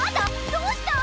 どうした！？